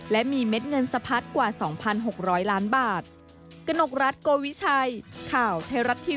และมีเม็ดเงินสะพัดกว่า๒๖๐๐ล้านบาท